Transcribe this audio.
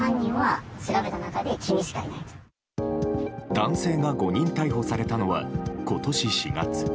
男性が誤認逮捕されたのは今年４月。